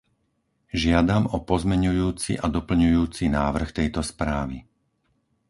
Žiadam o pozmeňujúci a doplňujúci návrh tejto správy.